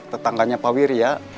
tetangganya pak wiria